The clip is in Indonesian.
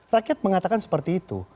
rakyat mengatakan seperti itu